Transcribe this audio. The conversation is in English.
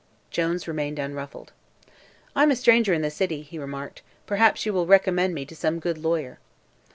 Jones remained unruffled. "I'm a stranger in the city," he remarked. "Perhaps you will recommend me to some good lawyer."